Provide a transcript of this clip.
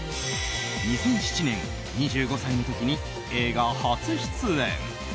２００７年、２５歳の時に映画初出演。